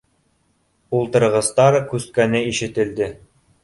Ултырғыстар күскәне ишетелде